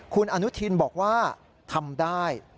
คุณอนุทินบอกว่าทำได้